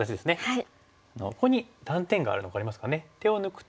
はい。